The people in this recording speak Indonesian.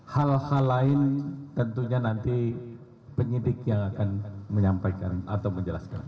hal hal lain tentunya nanti penyidik yang akan menyampaikan atau menjelaskan